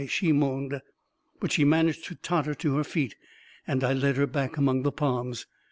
she moaned. But she managed to totter to her feet, and I led her back among the palms.